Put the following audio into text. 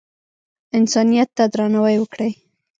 انسانیت ته درناوی وکړئ